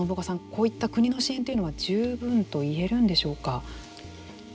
こういった国の支援というのは十分と言えるんでしょうか。